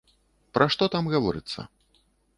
Пра што там гаворыцца?